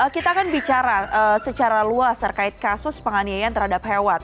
kita akan bicara secara luas terkait kasus penganiayaan terhadap hewan